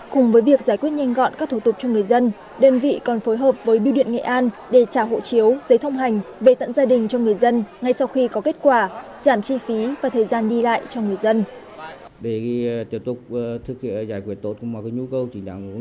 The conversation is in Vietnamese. cùng với việc giải quyết nhanh gọn các thủ tục cho người dân đơn vị còn phối hợp với biêu điện nghệ an để trả hộ chiếu giấy thông hành về tận gia đình cho người dân ngay sau khi có kết quả giảm chi phí và thời gian đi lại cho người dân